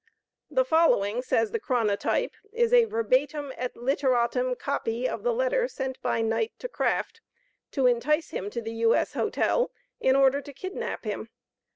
The following (says the Chronotype), is a verbatim et literatim copy of the letter sent by Knight to Craft, to entice him to the U.S. Hotel, in order to kidnap him.